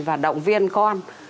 và động viên con